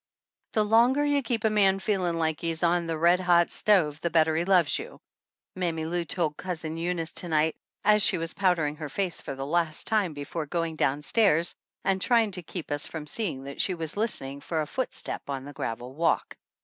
"The longer you keep a man feelin' like he's on a red hot stove the better he loves you," Mammy Lou told Cousin Eunice to night, as she was powdering her face for the last time before going down stairs and trying to keep us from seeing that she was listening for a foot step on the gravel walk.